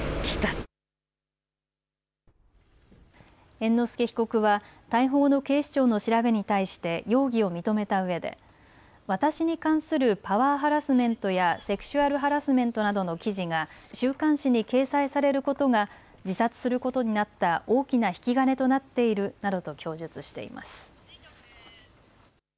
猿之助被告は逮捕後の警視庁の調べに対して容疑を認めたうえで私に関するパワーハラスメントやセクシュアルハラスメントなどの記事が週刊誌に掲載されることが自殺することになった大きな引き金となっているなどと供述しています。